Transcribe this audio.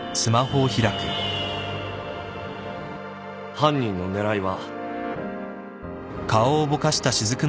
犯人の狙いは。